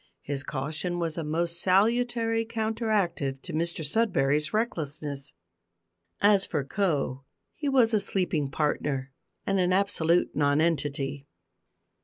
His caution was a most salutary counteractive to Mr Sudberry's recklessness. As for "Co," he was a sleeping partner, and an absolute nonentity.